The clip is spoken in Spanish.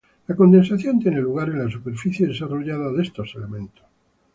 La condensación tiene lugar en la superficie desarrollada de estos elementos.